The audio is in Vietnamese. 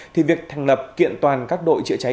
thì việc thành lập kiện toàn các đội chữa cháy